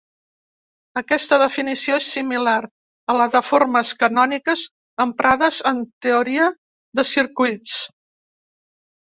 Aquesta definició és similar a la de formes canòniques emprades en teoria de circuits.